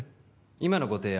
今のご提案